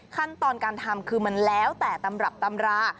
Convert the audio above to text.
ขั้นตอนการทำคือมันแล้วแต่ตำรับตำรา